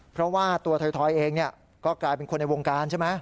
เพราะว่าตัวถอยเองก็กลายเป็นคนในวงการใช่ไหม